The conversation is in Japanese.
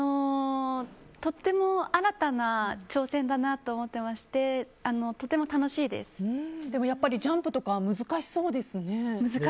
とっても新たな挑戦だなと思っていましてやっぱりジャンプとか難しいですね。